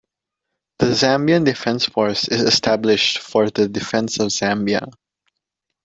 The Zambian Defence Force is established for the defence of Zambia.